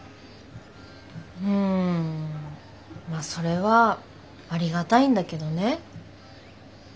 んまあそれはありがたいんだけどね。